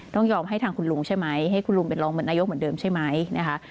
ต้องยอมให้ทางคุณลุงใช่ไหมให้คุณลุงเป็นรองเหมือนนายกเหมือนเดิมใช่ไหมนะคะ